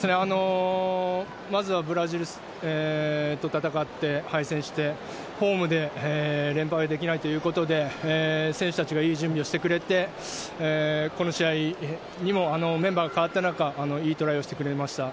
まずはブラジルと戦って敗戦してホームで連敗できないということで選手たちがいい準備をしてくれてこの試合にもメンバーが代わった中いいトライをしてくれました。